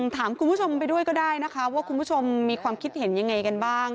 ถามคุณผู้ชมไปด้วยก็ได้นะคะว่าคุณผู้ชมมีความคิดเห็นยังไงกันบ้าง